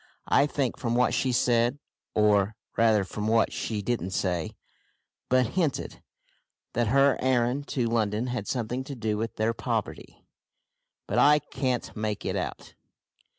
I think from what she said, or, rather from what she didn't say, but hinted, that her errand to London had something to do with their poverty, but I can't make it out.